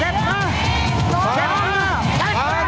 หลักสวย